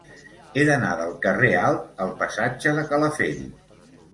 He d'anar del carrer Alt al passatge de Calafell.